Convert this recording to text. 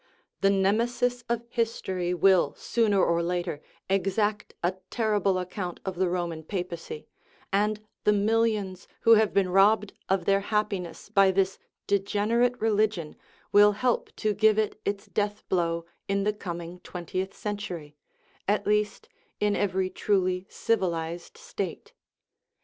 The Nemesis of history will sooner or later exact a terrible account of the Roman papacy, and the millions who have been robbed of their happiness by this de generate religion will help to give it its death blow in the coming twentieth century at least, in every truly civilized state.